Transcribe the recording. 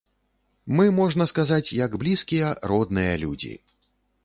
Мы, можна сказаць, як блізкія, родныя людзі.